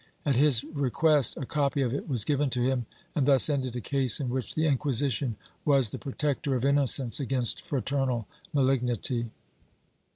At his request a copy of it was given to him and thus ended a case in which the Inquisition was the protector of innocence against fraternal malignity.